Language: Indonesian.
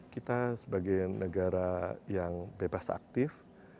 kita sebagai negara yang bebas aktif